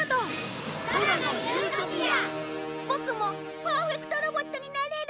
ボクもパーフェクトロボットになれる？